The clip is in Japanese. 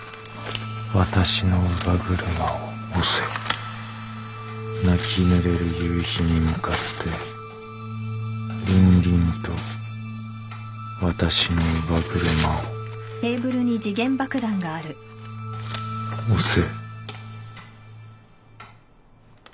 私の乳母車を押せ」「泣きぬれる夕陽にむかってりんりんと私の乳母車を押せ」